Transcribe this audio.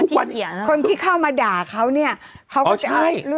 คนที่เข้ามาด่าเขาโอ้ใช่